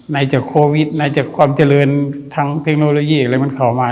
ไหนจากโควิดในจากความเจริญทางเทคโนโลยีอะไรมันเข้ามา